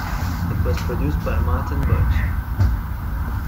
It was produced by Martin Birch.